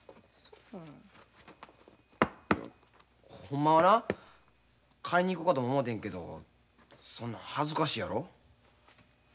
ほんまはな買いに行こかとも思てんけどそんなん恥ずかしいやろ。